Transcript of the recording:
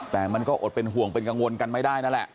แต่มันก็อดเป็นห่วงเป็นกังวลกันไม่ได้นั่นแหละ